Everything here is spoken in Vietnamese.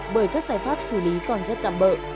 bởi các giải pháp xử lý còn rất tạm bỡ